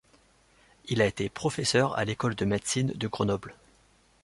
Il a été professeur à l'école de médecine de Grenoble.